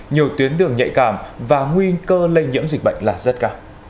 nhiều tuyến đường nhạy cảm và nguy cơ lây nhiễm dịch bệnh là rất cao